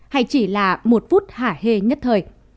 hay chỉ là một phút hả hê nhất thời